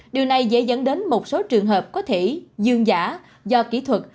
điều này dễ dẫn đến một số trường hợp có thể dương giả do kỹ thuật